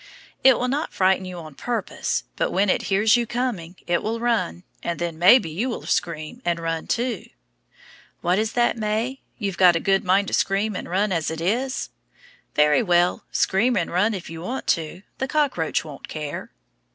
It will not frighten you on purpose, but when it hears you coming, it will run, and then maybe you will scream and run too. What is that, May? You've a good mind to scream and run as it is? Very well, scream and run if you want to; the cockroach won't care.